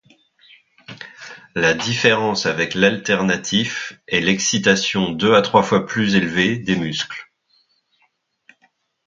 La différence avec l'alternatif est l’excitation deux à trois fois plus élevée des muscles.